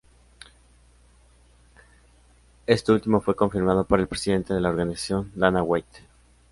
Esto último fue confirmado por el presidente de la organización, Dana White.